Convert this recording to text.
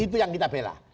itu yang kita bela